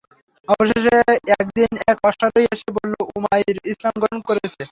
অবশেষে একদিন এক অশ্বারোহী এসে বলল, উমাইর ইসলাম গ্রহণ করেছে।